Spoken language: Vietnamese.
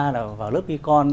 là vào lớp y con